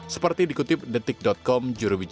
seperti dikutip detik com